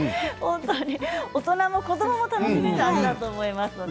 大人も子どもも楽しめる味だと思います。